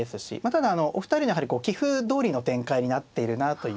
ただあのお二人のやはりこう棋風どおりの展開になっているなという。